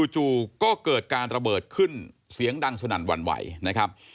จู่ก็เกิดการระเบิดขึ้นเสียงดังสนั่นหวั่นไหวนะครับ